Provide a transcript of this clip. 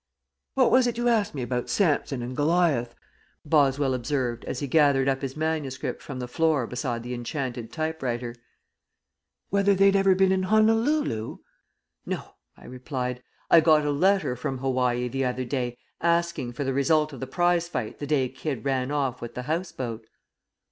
"What was it you asked me about Samson and Goliath?" Boswell observed, as he gathered up his manuscript from the floor beside the Enchanted Typewriter. "Whether they'd ever been in Honolulu?" "No," I replied. "I got a letter from Hawaii the other day asking for the result of the prize fight the day Kidd ran off with the house boat."